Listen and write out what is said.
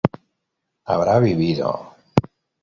habrá vivido